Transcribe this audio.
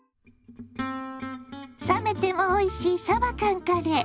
冷めてもおいしいさば缶カレー。